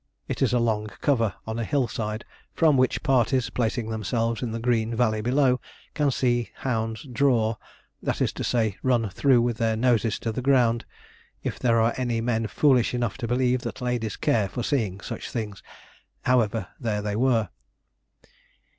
It is a long cover on a hill side, from which parties, placing themselves in the green valley below, can see hounds 'draw,' that is to say, run through with their noses to the ground, if there are any men foolish enough to believe that ladies care for seeing such things. However, there they were.